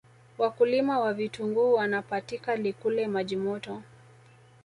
wakulima wa vitunguu wanapatika likule majimoto